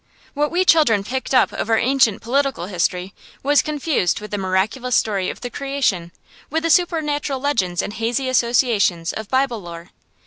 What we children picked up of our ancient political history was confused with the miraculous story of the Creation, with the supernatural legends and hazy associations of Bible lore.